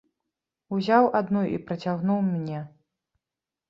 Узяў адну і працягнуў мне.